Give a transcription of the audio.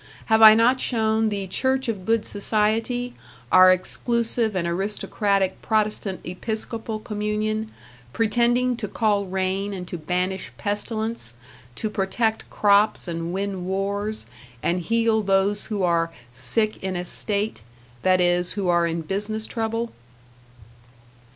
Have I not shown the Church of Good Society, our exclusive and aristocratic Protestant Episcopal communion, pretending to call rain and to banish pestilence, to protect crops and win wars and heal those who are "sick in estate" that is, who are in business trouble?